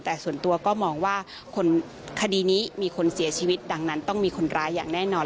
แต่ส่วนตัวก็มองว่าคดีนี้มีคนเสียชีวิตดังนั้นต้องมีคนร้ายอย่างแน่นอน